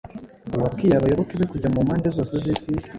Uwabwiye abayoboke be kujya mu mpande zose z’isi